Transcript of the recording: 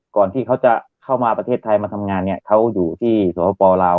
ก่อนที่เขาจะเข้ามาประเทศไทยมาทำงานเนี่ยเขาอยู่ที่สปลาว